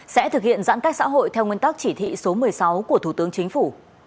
sẽ thực hiện giãn cách xã hội theo nguyên tắc chỉ thị số một mươi sáu của thủ tướng chính phủ